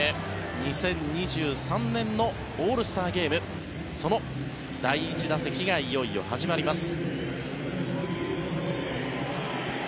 ２０２３年のオールスターゲームその第１打席がいよいよ始まります。